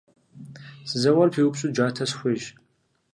Сызэуэр пиупщӏу джатэ сыхуейщ.